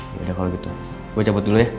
yaudah kalau gitu gue cabut dulu ya